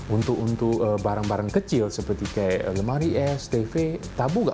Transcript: untuk barang barang kecil seperti kayak lemari es tv tabu nggak